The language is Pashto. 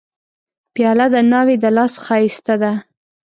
پیاله د ناوې د لاس ښایسته ده.